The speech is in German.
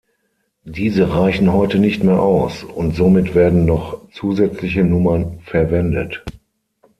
Diese reichen heute nicht mehr aus, und somit werden noch zusätzliche Nummern verwendet.